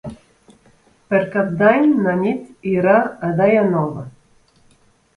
Per Cap d'Any na Nit irà a Daia Nova.